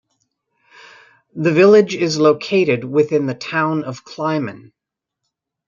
The village is located within the Town of Clyman.